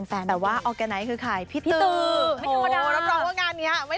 แต่ว่าออร์แกนไนท์คือใครพี่ตือ